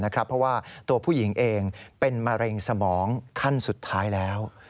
เพราะว่าตัวผู้หญิงเองเป็นมะเร็งสมองขั้นสุดท้ายแล้ว